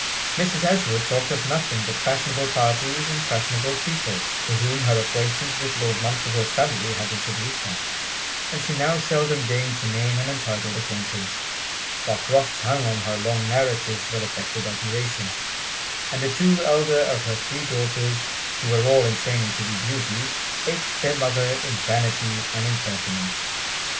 Mrs. Ashwood talked of nothing but fashionable parties and fashionable people, to whom her acquaintance with Lord Montreville's family had introduced her; and she now seldom deigned to name an untitled acquaintance while Crofts hung on her long narratives with affected admiration; and the two elder of her three daughters, who were all in training to be beauties, aped their mother in vanity and impertinence.